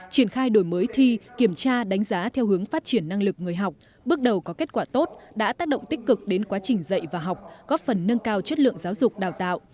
triển khai đổi mới thi kiểm tra đánh giá theo hướng phát triển năng lực người học bước đầu có kết quả tốt đã tác động tích cực đến quá trình dạy và học góp phần nâng cao chất lượng giáo dục đào tạo